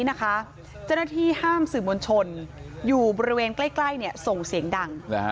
เจ้าหน้าที่ห้ามสื่อมวลชนอยู่บริเวณใกล้ส่งเสียงดัง